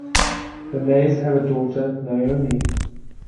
The Mays have a daughter, Naomi.